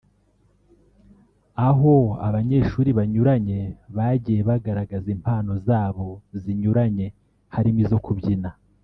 aho abanyeshuri banyuranye bagiye bagaragaza impano zabo zinyuranye harimo izo kubyina